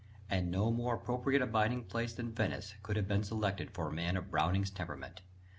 And no more appropriate abiding place than Venice could have been selected for a man of Browning's temperament.